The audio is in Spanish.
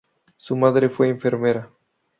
Su madre fue enfermera.